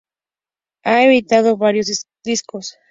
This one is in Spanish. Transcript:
Ha editado varios discos.